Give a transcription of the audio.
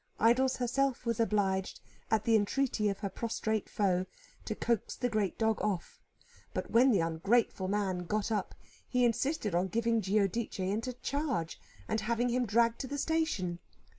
Idols herself was obliged, at the entreaty of her prostrate foe, to coax the great dog off; but when the ungrateful man got up, he insisted on giving Giudice into charge, and having him dragged to the Station.